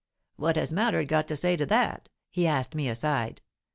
'What has Mallard got to say to that?' he asked me aside.